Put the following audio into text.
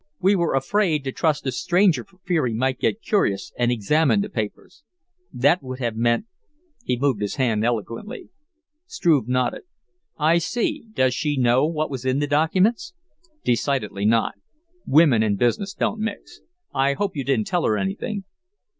We were afraid to trust a stranger for fear he might get curious and examine the papers. That would have meant " He moved his hand eloquently. Struve nodded. "I see. Does she know what was in the documents?" "Decidedly not. Women and business don't mix. I hope you didn't tell her anything."